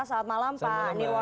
selamat malam pak nirwono